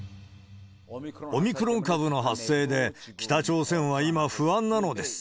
オミクロン株の発生で、北朝鮮は今、不安なのです。